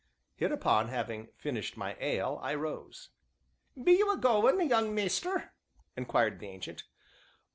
Hereupon, having finished my ale, I rose. "Be you'm a goin', young maister?" inquired the Ancient.